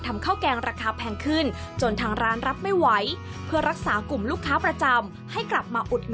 มันก็ถูกกว่าครับ